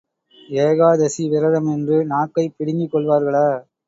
ஏகாதசி விரதம் என்று நாக்கைப் பிடுங்கிக் கொள்வார்களா?